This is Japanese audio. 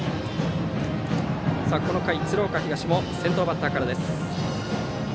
この回は鶴岡東も先頭バッターから。